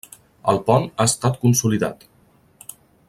El pont ha estat consolidat.